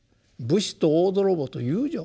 武士と大泥棒と遊女